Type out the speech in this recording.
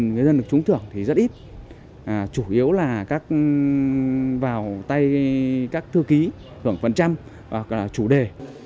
người dân được trúng thưởng thì rất ít chủ yếu là vào tay các thư ký hưởng phần trăm hoặc chủ đề